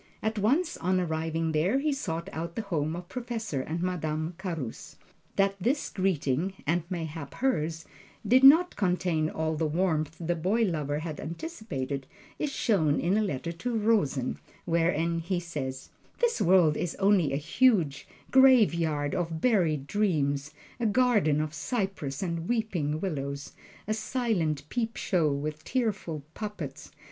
At once on arriving there, he sought out the home of Professor and Madame Carus. That his greeting (and mayhap hers) did not contain all the warmth the boy lover had anticipated is shown in a letter to Rosen, wherein he says: "This world is only a huge graveyard of buried dreams, a garden of cypress and weeping willows, a silent peep show with tearful puppets.